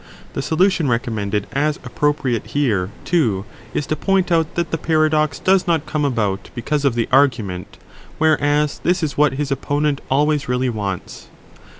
The solution recommended as appropriate here, too, is to point out that the paradox does not come about because of the argument : whereas this is what his opponent always 35 really wants.